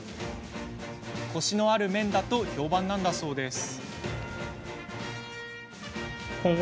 コシのある麺だと評判なんだそうです。